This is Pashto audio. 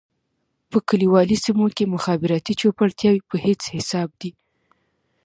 په کليوالي سېمو کې مخابراتي چوپړتياوې په هيڅ حساب دي.